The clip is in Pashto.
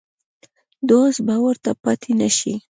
د وس به ورته پاتې نه شي.